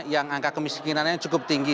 yang angka kemiskinannya cukup tinggi